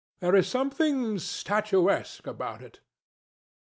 There is something statuesque about it.